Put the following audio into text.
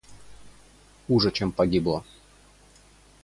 Хуже чем погибла.